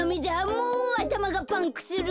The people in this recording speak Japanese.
もうあたまがパンクする。